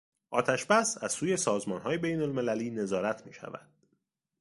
آتش بس از سوی سازمانهای بینالمللی نظارت میشود.